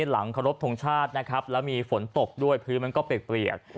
หลังเคารพทงชาตินะครับแล้วมีฝนตกด้วยพื้นมันก็เปียก